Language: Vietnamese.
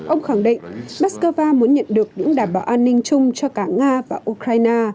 ông khẳng định moscow muốn nhận được những đảm bảo an ninh chung cho cả nga và ukraine